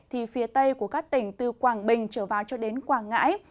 thì phía tây của các tỉnh từ quảng bình trở vào cho đến quảng ngãi